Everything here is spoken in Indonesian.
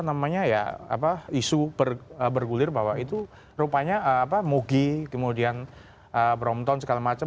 nah banyak sekali isu bergulir bahwa itu rupanya moge kemudian brompton segala macam